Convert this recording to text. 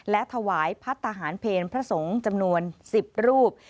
และถวายพัฒนาหารเพลพระสงฆ์จำนวน๑๐รูป